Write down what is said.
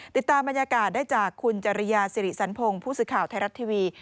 ติดตามบรรยากาศได้จากคุณจริยาสิริสันพงศ์ผู้สื่อข่าวไทยรัฐทีวี